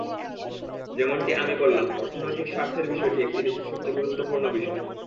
যেমনটি আমি বললাম, অর্থনৈতিক স্বার্থের বিষয়টি একটি দেশের সবচেয়ে গুরুত্বপূর্ণ বিষয়।